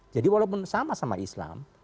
jadi walaupun sama sama islam